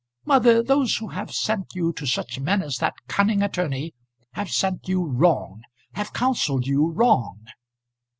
Mother, those who have sent you to such men as that cunning attorney have sent you wrong, have counselled you wrong."